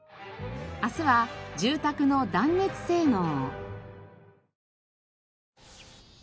明日は住宅の断熱性能。